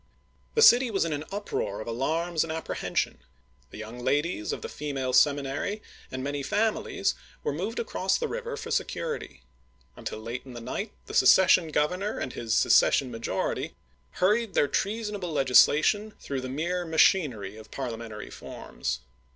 The city was in an uproar of alarms and appre hension ; the young ladies of the female seminary peckham, and many families were moved across the river Nathaniel for security. Until late into the night the seces i68*A7l^* sion Governor and his secession majority hur ried their treasonable legislation through the mere machinery of parliamentary forms.